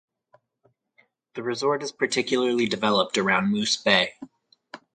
The resort is particularly developed around Moose Bay.